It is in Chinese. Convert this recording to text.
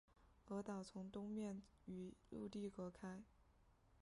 鹅岛从东面与陆地隔开。